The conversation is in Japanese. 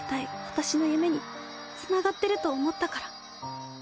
私の夢につながってると思ったから。